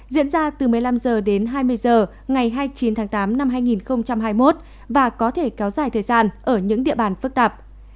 diễn ra từ một mươi năm h đến hai mươi h ngày hai mươi chín tháng tám năm hai nghìn hai mươi một và có thể kéo dài thời gian ở những địa bàn phức tạp